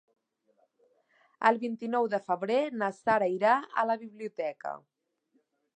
El vint-i-nou de febrer na Sara irà a la biblioteca.